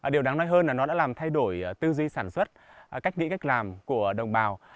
điều đáng nói hơn là nó đã làm thay đổi tư duy sản xuất cách nghĩ cách làm của đồng bào